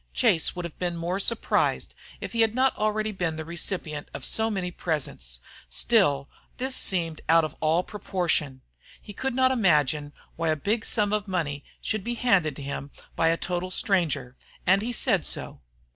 Chase would have been more surprised if he had not already been the recipient of so many presents; still this seemed out of all proportion. He could not imagine why a big sum of money should be handed him by a total stranger, and he said so.